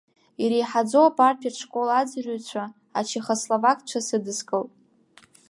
Иреиҳаӡоу апартиатә школ аӡырҩцәа ачехословакцәа сыдыскылт.